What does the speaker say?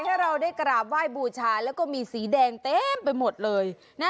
ถ้าเราได้กราบไหว้บูชาแล้วก็มีสีแดงเต็มไปหมดเลยนะ